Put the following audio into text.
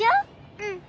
うん。